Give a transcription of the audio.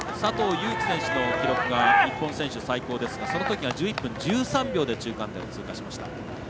悠基選手の記録が日本選手の最高ですが、そのときが１１分１３秒で中間点通過しました。